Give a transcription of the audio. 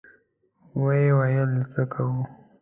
ويې ويل: څه کوو؟